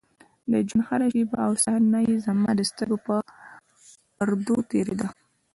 د ژونـد هـره شـيبه او صحـنه يـې زمـا د سـترګو پـر پـردو تېـرېده.